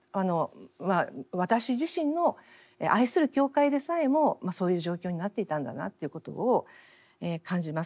私自身の愛する教会でさえもそういう状況になっていたんだなっていうことを感じます。